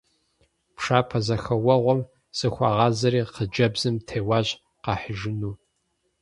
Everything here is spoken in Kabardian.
Пшапэзэхэуэгъуэм зыхуагъазэри хъыджэбзым теуащ къахьыжыну.